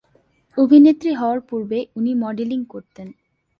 অভিনেত্রী হওয়ার পূর্বে উনি মডেলিং করতেন।